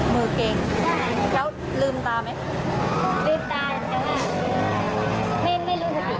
มือเกร็งแล้วลืมตาไหมลืมตาอยู่แต่ไม่รู้สติ